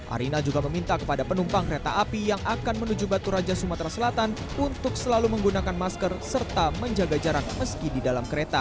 arina juga meminta kepada penumpang kereta api yang akan menuju batu raja sumatera selatan untuk selalu menggunakan masker serta menjaga jarak meski di dalam kereta